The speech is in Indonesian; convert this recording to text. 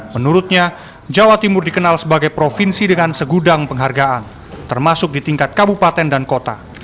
menurutnya jawa timur dikenal sebagai provinsi dengan segudang penghargaan termasuk di tingkat kabupaten dan kota